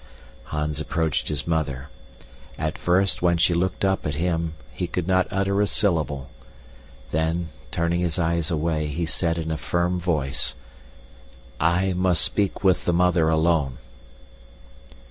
Hans approached his mother; at first, when she looked up at him, he could not utter a syllable; then, turning his eyes away, he said in a firm voice, "I must speak with the mother alone."